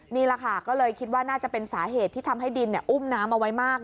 นี่แหละค่ะก็เลยคิดว่าน่าจะเป็นสาเหตุที่ทำให้ดินอุ้มน้ำเอาไว้มาก